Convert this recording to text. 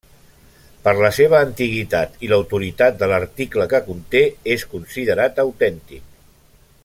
Per la seva antiguitat i l'autoritat de l'article que conté, és considerat autèntic.